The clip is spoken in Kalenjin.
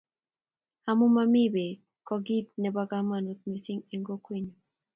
amun mami bek ko kit nebo kamangut mising eng kokwet nyon